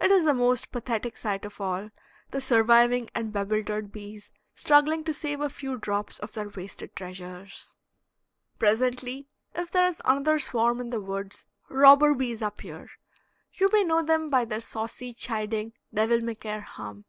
It is the most pathetic sight of all, the surviving and bewildered bees struggling to save a few drops of their wasted treasures. Presently, if there is another swarm in the woods, robber bees appear. You may know them by their saucy, chiding, devil may care hum.